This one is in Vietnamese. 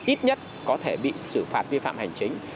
ít nhất có thể bị xử phạt vi phạm hành chính